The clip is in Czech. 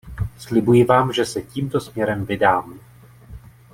Slibuji vám, že se tímto směrem vydám.